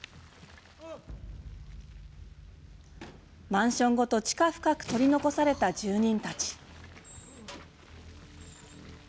マンションごと地下深く取り残された住人たち。